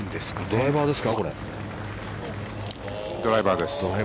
ドライバーです。